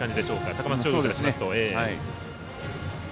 高松商業からしますと。